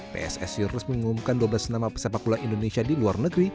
pssi resmi mengumumkan dua belas nama pesepak bola indonesia di luar negeri